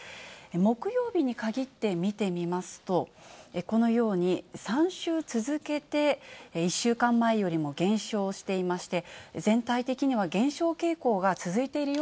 木曜日に限って見てみますと、このように３週続けて、１週間前よりも減少していまして、全体的には減少傾向が続いている